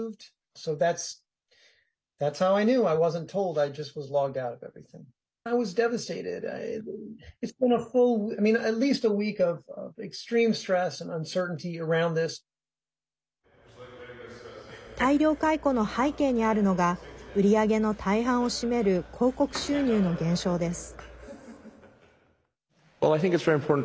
大量解雇の背景にあるのが売り上げの大半を占める広告収入の減少です。